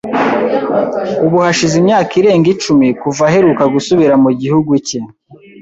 Ubu hashize imyaka irenga icumi kuva aheruka gusubira mu gihugu cye.